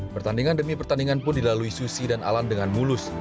pertandingan demi pertandingan pun dilalui susi dan alan dengan mulus